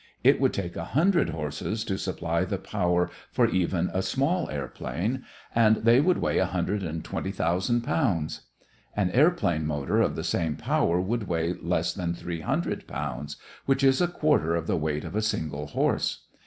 It would take a hundred horses to supply the power for even a small airplane, and they would weigh a hundred and twenty thousand pounds. An airplane motor of the same power would weigh less than three hundred pounds, which is a quarter of the weight of a single horse.